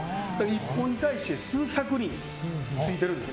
１本に対して数百輪ついているんです。